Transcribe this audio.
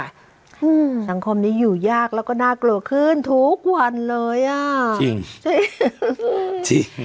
สังคมนี้อยู่ยากแล้วก็น่ากลัวขึ้นทุกวันเลยอ่ะจริงจริง